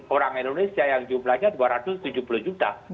orang indonesia yang jumlahnya dua ratus tujuh puluh juta